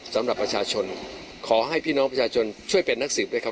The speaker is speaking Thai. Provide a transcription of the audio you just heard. สำหรับประชาชนขอให้พี่น้องประชาชนช่วยเป็นนักสืบด้วยครับ